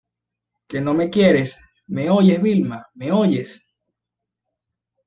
que no me quieres! ¿ me oyes, Vilma? ¿ me oyes?